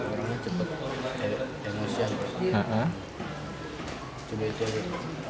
orangnya cepat emosian